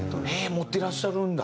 持ってらっしゃるんだ。